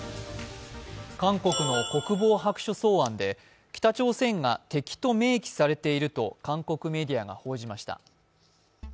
韓国の国防白書草案で北朝鮮が敵と明記されていると韓国メディアが報じました。